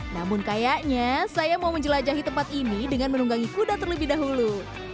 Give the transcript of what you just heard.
namun kayaknya saya mau menjelajahi tempat ini dengan menunggangi kuda terlebih dahulu